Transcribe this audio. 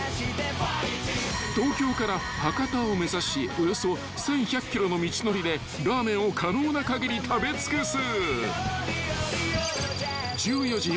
［東京から博多を目指しおよそ１，１００ｋｍの道のりでラーメンを可能な限り食べ尽くす］